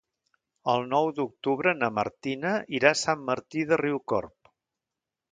El nou d'octubre na Martina irà a Sant Martí de Riucorb.